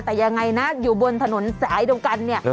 แต่ยังไงนะอยู่บนถนนสายตรงกันเนี่ย